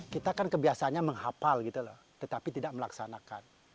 kita kan kebiasaannya menghapal gitu loh tetapi tidak melaksanakan